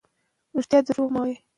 رښتیا درواغ کموي.